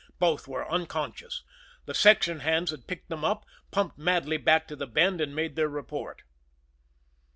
Both were unconscious. The section hands had picked them up, pumped madly back to the Bend, and made their report.